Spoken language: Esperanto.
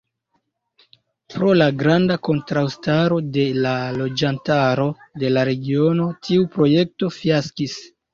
Pro la granda kontraŭstaro de la loĝantaro de la regiono, tiu projekto fiaskis.